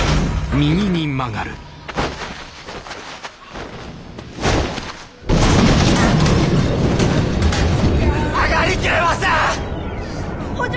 曲がりきれません！